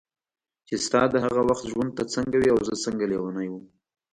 چې ستا د هغه وخت ژوند ته څنګه وې او زه څنګه لیونی وم.